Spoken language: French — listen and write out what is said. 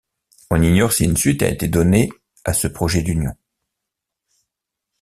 On ignore si une suite a été donnée à ce projet d'union.